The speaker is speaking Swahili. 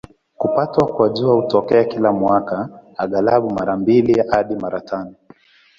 Kupatwa kwa Jua hutokea kila mwaka, angalau mara mbili hadi mara tano.